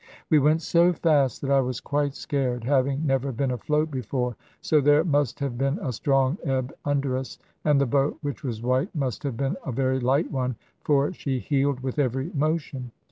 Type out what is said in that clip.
We went so fast that I was quite scared, having never been afloat before, so there must have been a strong ebb under us. And the boat, which was white, must have been a very light one, for she heeled with every motion.